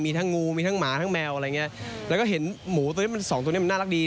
มีทั้งงูมีทั้งหมาทั้งแมวอะไรอย่างเงี้ยแล้วก็เห็นหมูตัวนี้มันสองตัวเนี้ยมันน่ารักดี